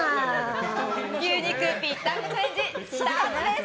牛肉ぴったんこチャレンジスタートです！